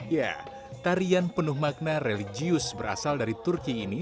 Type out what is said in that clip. ya tarian penuh makna religius berasal dari turki ini